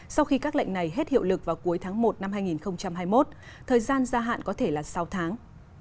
sau khi các lệnh này hết hiệu lực vào cuối tháng một năm hai nghìn hai mươi một thời gian gia hạn có thể là sáu tháng